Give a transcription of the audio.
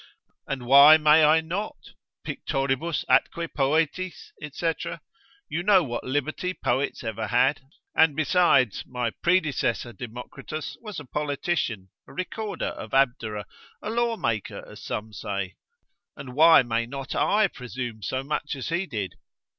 And why may I not?—Pictoribus atque poetis, &c. You know what liberty poets ever had, and besides, my predecessor Democritus was a politician, a recorder of Abdera, a law maker as some say; and why may not I presume so much as he did?